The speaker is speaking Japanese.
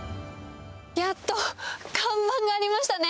やっと看板がありましたね。